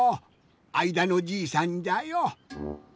あいだのじいさんじゃよ。